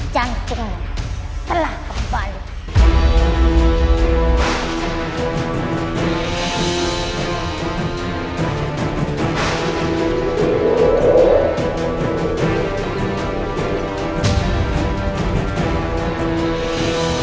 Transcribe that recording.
jantungmu telah berbalik